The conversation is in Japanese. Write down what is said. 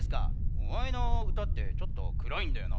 お前の歌ってちょっと暗いんだよな。